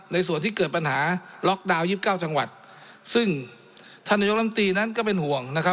ในส่วนที่เกิดปัญหาล็อกดาวน๒๙จังหวัดซึ่งท่านนายกรรมตรีนั้นก็เป็นห่วงนะครับ